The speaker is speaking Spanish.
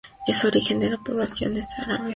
El origen de esta población es árabe.